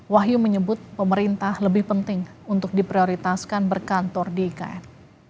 wahyu menyebut pemerintah lebih penting untuk diprioritaskan berkantor di ikn